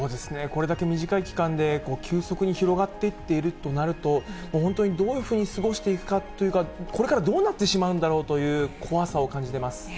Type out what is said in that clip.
これだけ短い期間で、急速に広がっていっているとなると、本当にどういうふうに過ごしていくかというか、これからどうなってしまうんだろうという怖さを感じてます。